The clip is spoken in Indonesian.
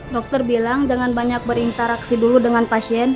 dokter bilang jangan banyak berinteraksi dulu dengan pasien